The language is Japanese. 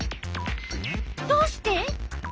どうして？